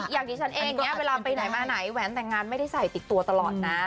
อย่างที่ฉันเองเนี่ยเวลาไปไหนมาไหนแหวนแต่งงานไม่ได้ใส่ติดตัวตลอดนะ